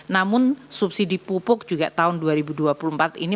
namun subsidi pupuk juga tahun dua ribu dua puluh empat ini